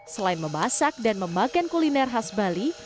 selain memasak dan memakan kuliner khas bali